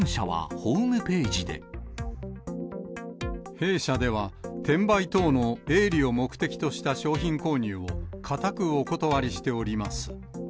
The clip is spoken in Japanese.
弊社では、転売等の営利を目的とした商品購入を固くお断りしております。